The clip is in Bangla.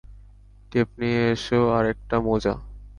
টেপ নিয়ে এসো আর একটা মোজা।